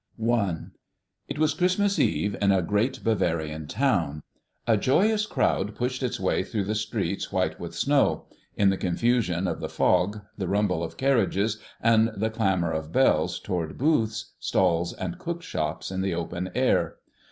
I. It was Christmas Eve in a great Bavarian town. A joyous crowd pushed its way through the streets white with snow, in the confusion of the fog, the rumble of carriages, and the clamor of bells, toward the booths, stalls, and cook shops in the open air.